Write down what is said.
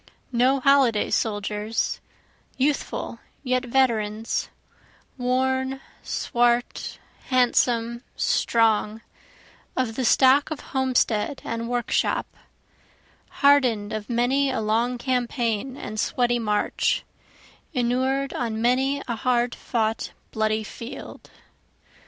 No holiday soldiers youthful, yet veterans, Worn, swart, handsome, strong, of the stock of homestead and workshop, Harden'd of many a long campaign and sweaty march, Inured on many a hard fought bloody field.